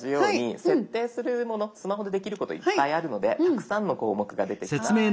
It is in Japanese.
スマホでできることいっぱいあるのでたくさんの項目が出てきます。